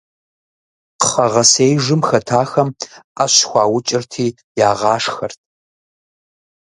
Кхъэгъэсеижым хэтахэм Ӏэщ хуаукӀырти ягъашхэрт.